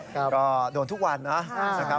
ก็โดนทุกวันนะ